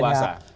dan di banyak